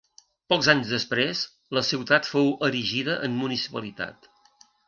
Pocs anys després la ciutat fou erigida en municipalitat.